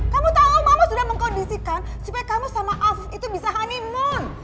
kamu tahu mama sudah mengkondisikan supaya kamu sama alfi itu bisa honeymoon